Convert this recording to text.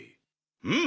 うん！